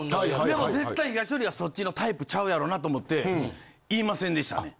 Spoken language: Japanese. でも絶対ひがしのりはそっちのタイプちゃうやろなと思って言いませんでしたね。